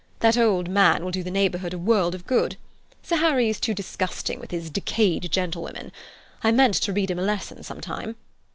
That old man will do the neighbourhood a world of good. Sir Harry is too disgusting with his 'decayed gentlewomen.' I meant to read him a lesson some time.